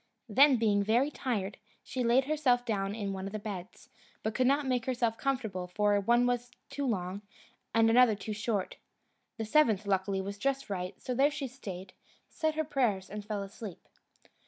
Then, being very tired, she laid herself down in one of the beds, but could not make herself comfortable, for one was too long, and another too short. The seventh, luckily, was just right; so there she stayed, said her prayers, and fell asleep.